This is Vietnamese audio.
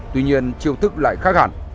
tuy nhiên chiêu thức lại khác hẳn